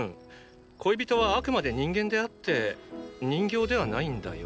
恋人はあくまで人間であって人形ではないんだよ。